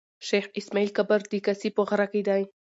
شېخ اسماعیل قبر د کسي په غره کښي دﺉ.